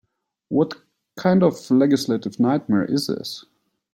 What kind of legislative nightmare is this?